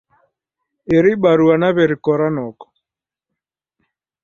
Iri barua naw'erikora noko